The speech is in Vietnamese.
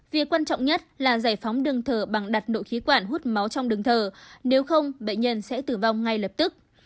việc quan trọng nhất là giải phóng đường thở bằng đặt nội khí quản hút máu trong đường thở nếu không bệnh nhân sẽ tử vong ngay lập tức